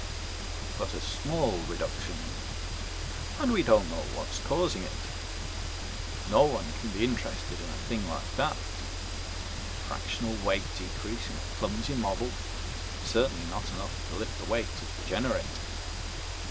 "But a small reduction. And we don't know what is causing it. No one can be interested in a thing like that a fractional weight decrease in a clumsy model, certainly not enough to lift the weight of the generator.